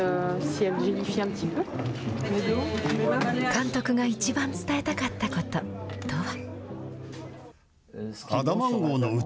監督が一番伝えたかったこととは。